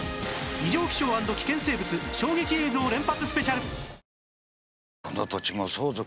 異常気象＆危険生物衝撃映像連発スペシャル